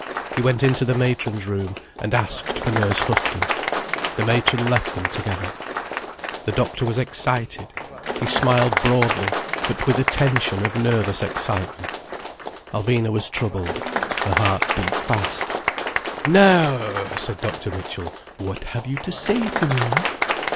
He went into the matron's room, and asked for Nurse Houghton. The matron left them together. The doctor was excited. He smiled broadly, but with a tension of nervous excitement. Alvina was troubled. Her heart beat fast. "Now!" said Dr. Mitchell. "What have you to say to me?"